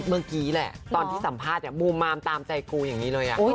เมื่อกี้แหละตอนที่สัมภาษณ์เนี่ยบูมมามตามใจกูอย่างนี้เลย